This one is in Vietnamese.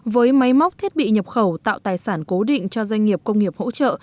với máy móc thiết bị nhập khẩu tạo tài sản cố định cho doanh nghiệp công nghiệp hỗ trợ